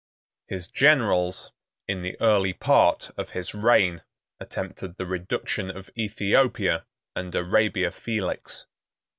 ] His generals, in the early part of his reign, attempted the reduction of Ethiopia and Arabia Felix.